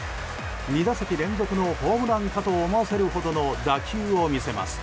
２打席連続のホームランかと思わせるほどの打球を見せます。